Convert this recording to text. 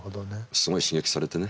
すごい刺激されてね